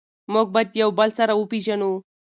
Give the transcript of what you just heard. موږ باید یو بل سره وپیژنو.